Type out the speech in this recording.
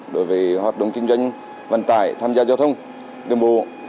đối với hoạt động kinh doanh vận tải tham gia giao thông đường bộ